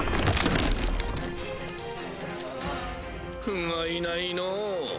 ふがいないのぅ。